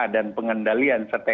dan pengendalian serta insuransi